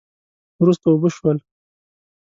وروسته اوبه شول